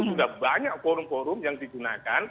sudah banyak forum forum yang digunakan